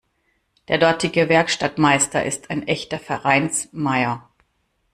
Der dortige Werkstattmeister ist ein echter Vereinsmeier.